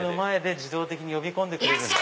自動的に呼び込んでくれるんだ。